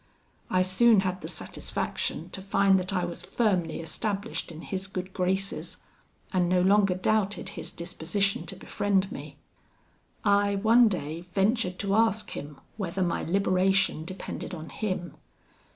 I soon had the satisfaction to find that I was firmly established in his good graces, and no longer doubted his disposition to befriend me. "I, one day, ventured to ask him whether my liberation depended on him.